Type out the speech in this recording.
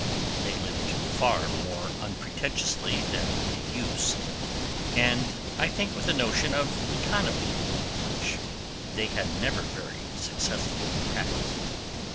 They lived far more unpretentiously than they used, and I think with a notion of economy, which they had never very successfully practised.